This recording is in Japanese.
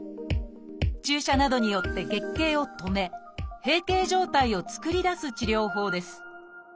注射などによって月経を止め閉経状態を作り出す治療法です